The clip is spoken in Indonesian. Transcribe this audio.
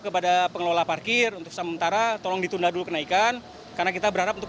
kepada pengelola parkir untuk sementara tolong ditunda dulu kenaikan karena kita berharap untuk